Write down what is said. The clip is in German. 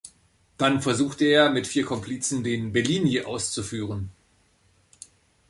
Dann versucht er, mit vier Komplizen den „Bellini“ auszuführen.